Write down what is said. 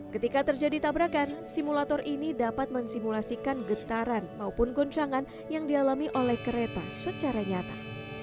ketika terjadi tabrakan simulator ini dapat mensimulasikan getaran maupun goncangan yang dialami oleh kereta secara nyata